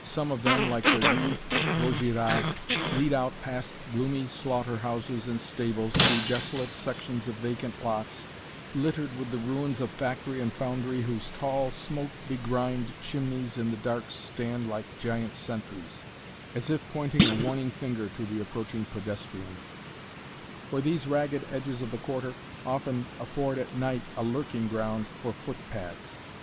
Some of them, like the rue Vaugirard, lead out past gloomy slaughter houses and stables, through desolate sections of vacant lots, littered with the ruins of factory and foundry whose tall, smoke begrimed chimneys in the dark stand like giant sentries, as if pointing a warning finger to the approaching pedestrian, for these ragged edges of the Quarter often afford at night a lurking ground for footpads.